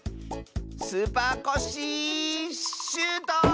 スーパーコッシーシュート！